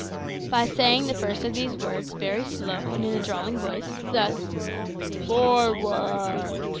By saying the first of these words very slow and in a drawling voice, thus, "Forw a a a a a rd!"